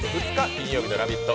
金曜日の「ラヴィット！」